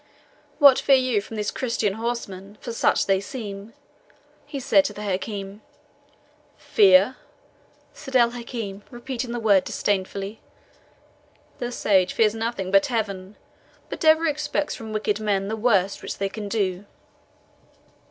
"What fear you from these Christian horsemen, for such they seem?" he said to the Hakim. "Fear!" said El Hakim, repeating the word disdainfully. "The sage fears nothing but Heaven, but ever expects from wicked men the worst which they can do."